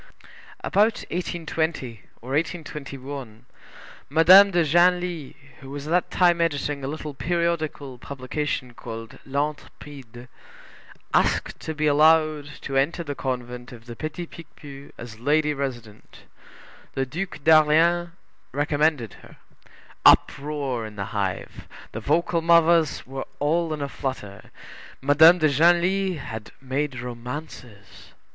About 1820 or 1821, Madame de Genlis, who was at that time editing a little periodical publication called l'Intrépide, asked to be allowed to enter the convent of the Petit Picpus as lady resident. The Duc d'Orléans recommended her. Uproar in the hive; the vocal mothers were all in a flutter; Madame de Genlis had made romances.